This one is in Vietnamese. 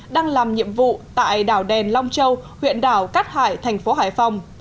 đang làm nhiệm vụ tại đảo đèn long châu huyện đảo cát hải thành phố hải phòng